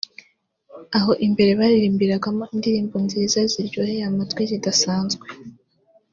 aho imbere baririmbiragamo indirimbo nziza ziryoheye amatwi zidasanzwe